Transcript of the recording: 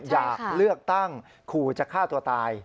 อยากเลือกตั้งขู่จะฆ่าตัวตาย